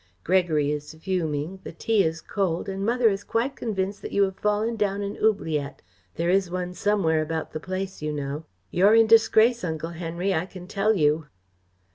Gregory is fuming, the tea is cold, and Mother is quite convinced that you have fallen down an oubliette there is one somewhere about the place, you know. You're in disgrace, Uncle Henry, I can tell you!"